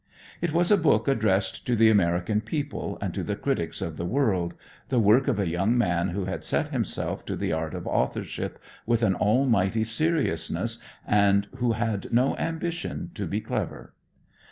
It was a book addressed to the American people and to the critics of the world, the work of a young man who had set himself to the art of authorship with an almighty seriousness, and who had no ambition to be clever.